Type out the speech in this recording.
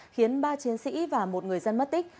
khiến ba chiến sĩ và một người dân mất tích